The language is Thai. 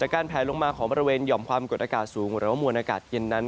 การแผลลงมาของบริเวณหย่อมความกดอากาศสูงหรือว่ามวลอากาศเย็นนั้น